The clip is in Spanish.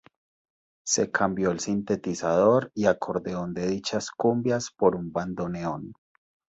Se cambió el sintetizador y acordeón de dichas cumbias por un bandoneón.